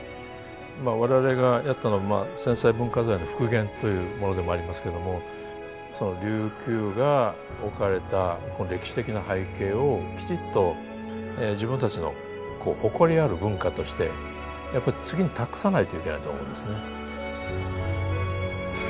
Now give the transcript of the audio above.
まあ我々がやったのは戦災文化財の復元というものでもありますけども琉球が置かれた歴史的な背景をきちっと自分たちのこう誇りある文化としてやっぱ次に託さないといけないと思うんですね。